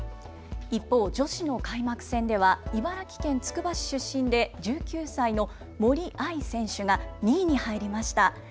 一方、女子の開幕戦では茨城県つくば市出身で１９歳の森秋彩選手が２位に入りました。